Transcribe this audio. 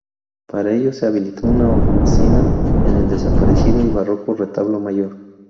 Para ello se habilitó una hornacina en el desaparecido y barroco retablo mayor.